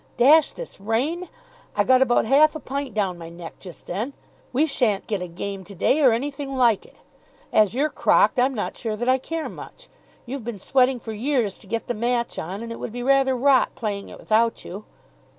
Dash this rain. I got about half a pint down my neck just then. We sha'n't get a game to day, of anything like it. As you're crocked, I'm not sure that I care much. You've been sweating for years to get the match on, and it would be rather rot playing it without you."